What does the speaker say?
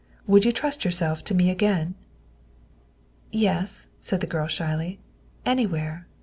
Would you trust yourself to me again?" " Yes," said the girl shyly, " anywhere.